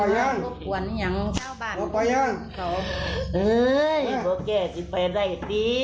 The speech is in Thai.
เอาไปยังหวันอย่างเจ้าบ้านเอาไปยังเขาเฮ้ยเพราะแกจะไปได้สิ